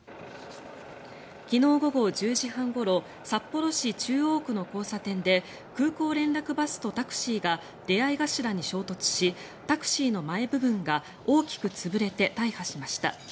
昨日午後１０時半ごろ札幌市中央区の交差点で空港連絡バスとタクシーが出合い頭に衝突しタクシーの前部分が大きく潰れて大破しました。